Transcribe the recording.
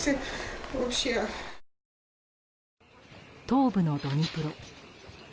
東部のドニプロ。